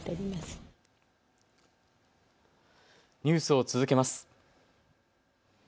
ニュースを続けます。